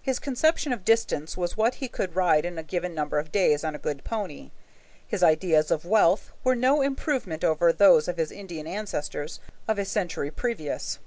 His conception of distance was what he could ride in a given number of days on a good pony. His ideas of wealth were no improvement over those of his Indian ancestors of a century previous.